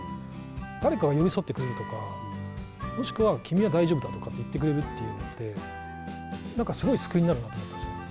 誰かが寄り添ってくれるとか、もしくは、君は大丈夫とかって言ってくれるっていうのって、なんかすごい救いになるなと思ったんですよね。